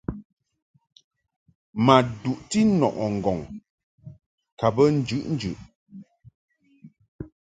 Ma duʼti nɔʼɨ ŋgɔŋ ka bə njuʼnjuʼ.